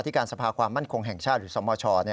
การสภาความมั่นคงแห่งชาติหรือสมช